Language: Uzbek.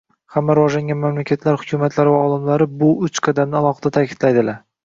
Hamma rivojlangan mamlakatlar hukumatlari va olimlari bu uch qadamni alohida ta'kidlaydilar